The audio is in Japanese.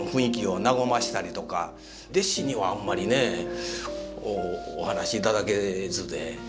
弟子にはあんまりねお話し頂けずで。